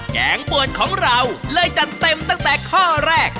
แกงป่วนของเราเลยจัดเต็มตั้งแต่ข้อแรก